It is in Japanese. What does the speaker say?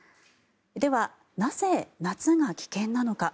では、なぜ夏が危険なのか。